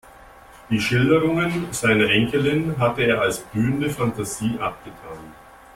Die Schilderungen seiner Enkelin hatte er als blühende Fantasie abgetan.